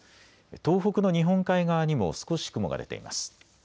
東北の日本海側にも少し雲が出ています。